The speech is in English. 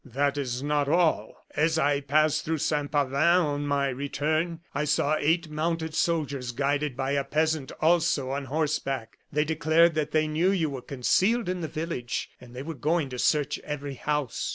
That is not all. As I passed through Saint Pavin, on my return, I saw eight mounted soldiers, guided by a peasant, also on horseback. They declared that they knew you were concealed in the village, and they were going to search every house."